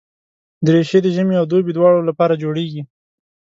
دریشي د ژمي او دوبي دواړو لپاره جوړېږي.